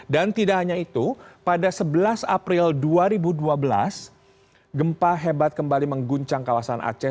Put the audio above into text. dan tidak hanya itu pada sebelas april dua ribu dua belas gempa hebat kembali mengguncang kawasan aceh